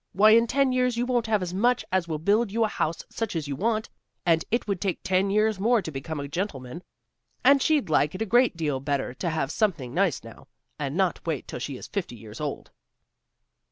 why in ten years you won't have as much as will build you a house such as you want, and it would take ten years more to become a gentleman; and she'd like it a great deal better to have something nice now, and not wait till she is fifty years old."